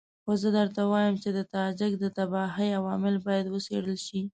خو زه درته وایم چې د تاجک د تباهۍ عوامل باید وڅېړل شي.